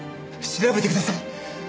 調べてください。